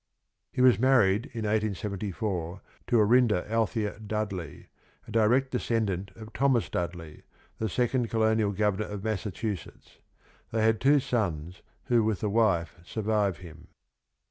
He was married in 1874 to Orinda Althea Dudley, a direct descendant of Thomas Dudley, the second colonial governor of Massachusetts. They had two sons who with the wife survive him.